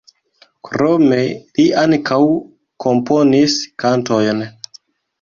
Krome li ankaŭ komponis kantojn.